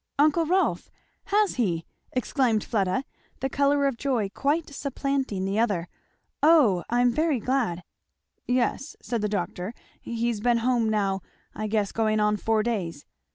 "Uncle Rolf! Has he!" exclaimed Fleda, the colour of joy quite supplanting the other. "O I'm very glad!" "Yes," said the doctor, "he's been home now, I guess, going on four days."